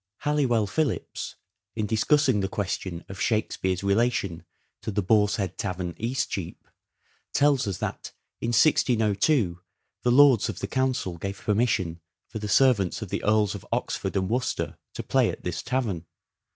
Halliwell Phillipps, in discussing the question of " Shakespeare's " relation to the Boar's Head Tavern, Eastcheap, tells us that " in 1602 the Lords of the Council gave permission for the servants of the Earls of Oxford and Worcester to play at this tavern."